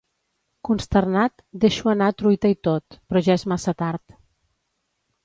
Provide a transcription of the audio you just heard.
Consternat, deixo anar truita i tot, però ja és massa tard.